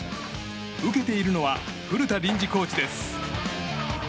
受けているのは古田臨時コーチです。